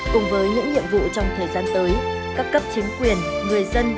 cùng với những nhiệm vụ trong thời gian tới các cấp chính quyền người dân